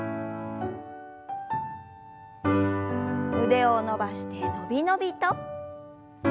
腕を伸ばしてのびのびと。